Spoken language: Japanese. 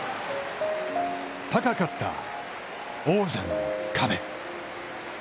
高かった、王者の壁。